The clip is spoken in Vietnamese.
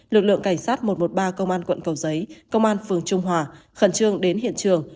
lực lượng cảnh sát một trăm một mươi ba công an quận cầu giấy công an phường trung hòa khẩn trương đến hiện trường